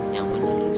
yang bener lulus